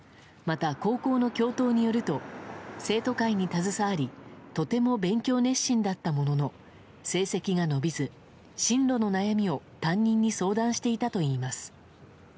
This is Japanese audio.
また高校の教頭によると生徒会に携わりとても勉強熱心だったものの成績が伸びず、進路の悩みを担任に相談していたといいます。